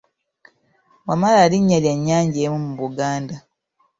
Wamala linnya lya nnyanja emu mu Buganda.